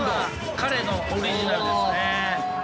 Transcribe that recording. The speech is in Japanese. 彼のオリジナルですね。